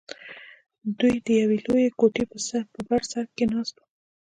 دوى د يوې لويې کوټې په بر سر کښې ناست وو.